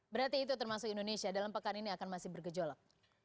berarti itu termasuk indonesia dalam pekan ini akan masih bergejolak